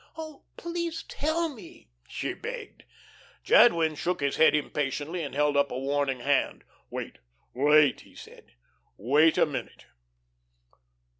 "Oh, please tell me," she begged. Jadwin shook his head impatiently and held up a warning hand. "Wait, wait," he said. "Wait a minute."